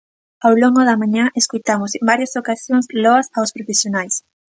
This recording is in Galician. Ao longo da mañá, escoitamos en varias ocasións loas aos profesionais.